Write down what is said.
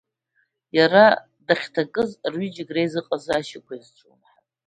Иара дахьҭакызгьы рҩыџьегь реизыҟазаашьа иазҿлымҳан.